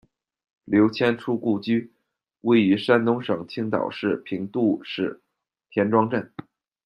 刘谦初故居，位于山东省青岛市平度市田庄镇。